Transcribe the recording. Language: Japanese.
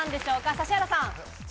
指原さん。